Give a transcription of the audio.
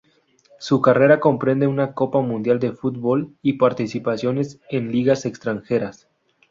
Su carrera comprende una copa mundial de fútbol, y participaciones en ligas extranjeras.